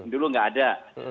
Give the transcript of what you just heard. dulu nggak ada